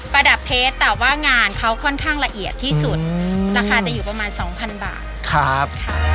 ระดับเพชรแต่ว่างานเขาค่อนข้างละเอียดที่สุดราคาจะอยู่ประมาณสองพันบาทครับค่ะ